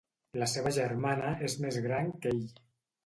La seva germana és més gran que ell.